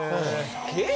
・・すげえ！